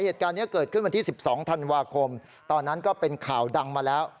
เหตุการณ์นี้เกิดขึ้นวันที่๑๒ธันวาคมตอนนั้นก็เป็นข่าวดังมาแล้ว